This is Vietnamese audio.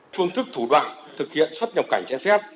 phương thức thủ đoạn thực hiện xuất nhập cảnh trái phép